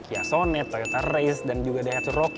ya sonet toyota race dan juga ada hatch rocky